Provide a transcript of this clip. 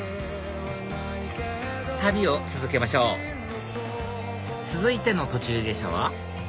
旅を続けましょう続いての途中下車は？